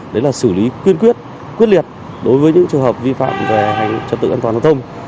đấy là xử lý cương quyết quyết liệt đối với những trường hợp vi phạm về trật tự an toàn giao thông